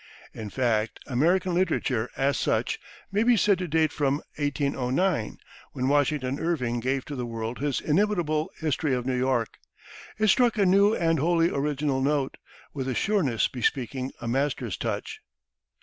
In fact, American literature, as such, may be said to date from 1809, when Washington Irving gave to the world his inimitable "History of New York." It struck a new and wholly original note, with a sureness bespeaking a master's touch.